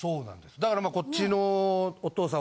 だからこっちのお義父さん